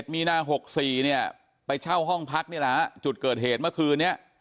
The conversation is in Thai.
มีนา๖๔เนี่ยไปเช่าห้องพักนี่แหละจุดเกิดเหตุเมื่อคืนนี้